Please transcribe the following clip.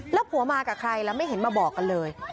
แล้วผัวมากับใครแล้วไม่เห็นมาบอกกันเลย